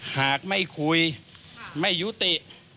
หากไม่คุยไม่ยุติ